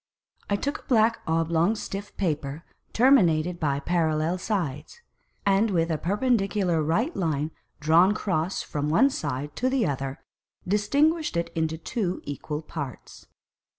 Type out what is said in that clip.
I took a black oblong stiff Paper terminated by Parallel Sides, and with a Perpendicular right Line drawn cross from one Side to the other, distinguished it into two equal Parts.